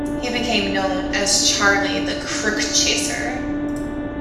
He became known as Charlie, the Crook Chaser.